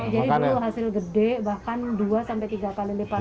jadi dulu hasil gede bahkan dua tiga kali lipat